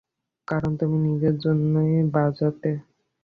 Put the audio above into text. কারণ তুমি নিজের জন্যই বাজাতে।